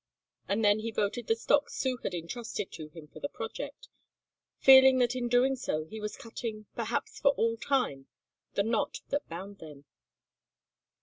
And then he voted the stock Sue had intrusted to him for the project, feeling that in doing so he was cutting, perhaps for all time, the knot that bound them.